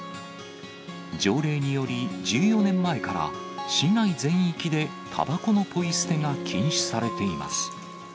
条例により、１４年前から市内全域でたばこのポイ捨てが禁止されています。